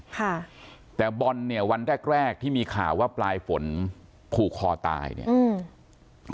ค่ะแต่บอลเนี่ยวันแรกแรกที่มีข่าวว่าปลายฝนผูกคอตายเนี่ยอืม